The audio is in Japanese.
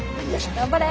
頑張れ！